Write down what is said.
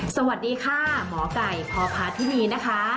สวัสดีค่ะหมอไก่พอภาษณ์ที่นี่นะคะ